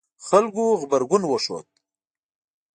خلکو غبرګون وښود